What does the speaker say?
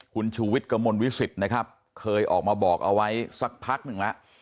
คุณชูวิทย์กระมวลวิสิตนะครับเคยออกมาบอกเอาไว้สักพักหนึ่งแล้ว